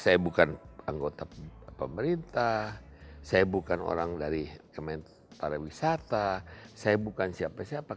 saya bukan anggota pemerintah saya bukan orang dari kementerian pariwisata saya bukan siapa siapa